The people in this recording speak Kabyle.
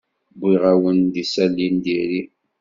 Wwiɣ-awent-d isali n diri.